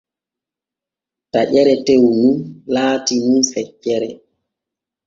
Taƴeere tew nu laati nun feccere.